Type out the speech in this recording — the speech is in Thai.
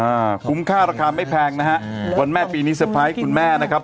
อ่าคุ้มค่าราคาไม่แพงนะฮะวันแม่ปีนี้คุณแม่นะครับ